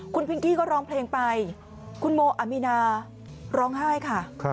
คุณพิงกี้ก็ร้องเพลงไปคุณโมอามีนาร้องไห้ค่ะ